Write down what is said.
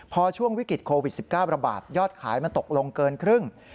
พอช่วงวิกฤตโควิด๑๙ระบาดยอดขายมันตกลงเกินครึ่ง